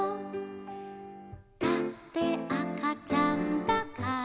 「だってあかちゃんだから」